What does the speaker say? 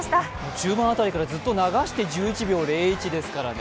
中盤辺りからずっと流して１１秒０１ですからね。